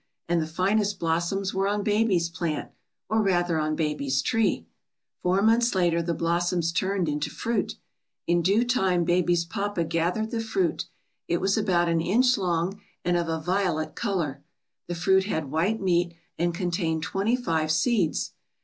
And the finest blossoms were on baby's plant, or rather on baby's tree. "Four months later the blossoms turned into fruit. In due time baby's papa gathered the fruit. It was about an inch long and of a violet color. The fruit had white meat and contained twenty five seeds.